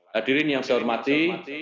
hadirin yang saya hormati